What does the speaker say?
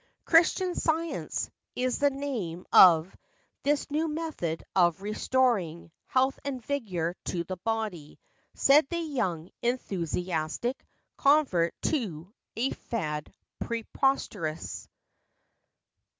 ' Christian science ' is the name of This new method of restoring Health and vigor to the body," Said the young, enthusiastic Convert to a fad preposterous.